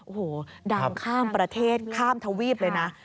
โอ้โหดังข้ามประเทศข้ามทวีปเลยนะ